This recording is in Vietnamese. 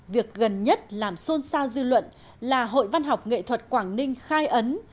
việc gần nhất làm xôn xao dư luận là hội văn học nghệ thuật quảng ninh khai ấn